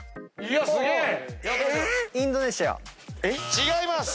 違います。